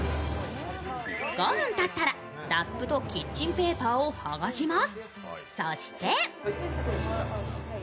５分たったらラップとキッチンペーパーを剥がします。